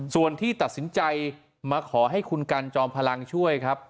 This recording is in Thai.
ส่วนที่ตัดสินใจมาขอให้คุณกันจอมพลังช่วยครับ